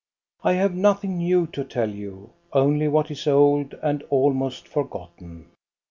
I have nothing new to tell you, only what is old and almost forgotten.